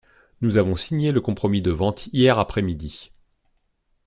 Nous avons signé le compromis de vente hier après-midi.